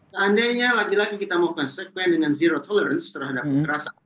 seandainya lagi lagi kita mau konsekuen dengan zero tolerance terhadap kekerasan